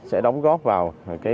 sẽ đóng góp vào